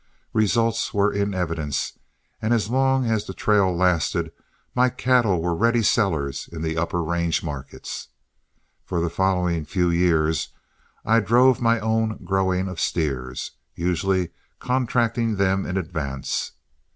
Results were in evidence, and as long as the trail lasted, my cattle were ready sellers in the upper range markets. For the following few years I drove my own growing of steers, usually contracting them in advance.